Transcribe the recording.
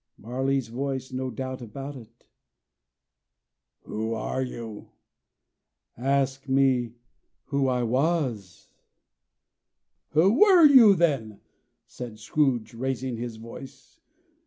Marley's voice, no doubt about it. "Who are you?" "Ask me who I was." "Who were you then?" said Scrooge, raising his voice.